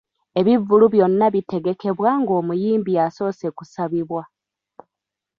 Ebivvulu byonna bitegekebwa ng’omuyimbi asoose kusabibwa.